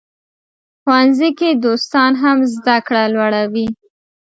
ښوونځي کې دوستان هم زده کړه لوړوي.